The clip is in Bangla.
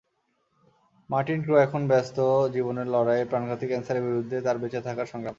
মার্টিন ক্রো এখন ব্যস্ত জীবনের লড়াইয়ে, প্রাণঘাতী ক্যানসারের বিরুদ্ধে তাঁর বেঁচে থাকার সংগ্রাম।